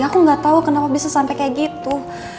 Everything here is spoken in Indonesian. aku gak tau kenapa bisa sampai kayak gitu